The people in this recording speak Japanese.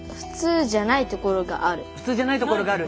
普通じゃないところがある。